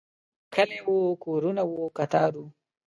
کلی و، کورونه و، کتار و